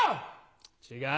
違う。